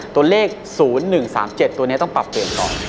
ตัวเลข๐๑๓๗ตัวนี้ต้องปรับเปลี่ยนก่อน